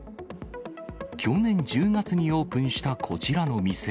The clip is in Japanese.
去年１０月にオープンしたこちらの店。